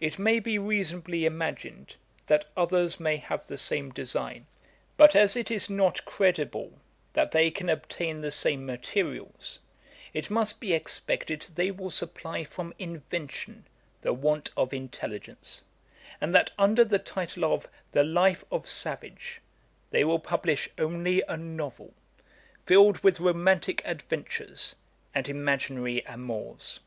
'It may be reasonably imagined, that others may have the same design; but as it is not credible that they can obtain the same materials, it must be expected they will supply from invention the want of intelligence; and that under the title of "The Life of Savage," they will publish only a novel, filled with romantick adventures, and imaginary amours.